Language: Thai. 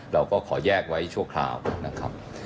เราก็ขอแยกไว้ชั่วคราวนะครับ